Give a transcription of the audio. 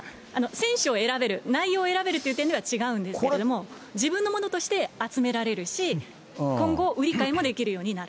選手を選べる、内容を選べるという点では違うんですけれども、自分のものとして集められるし、今後、売り買いもできるようになる。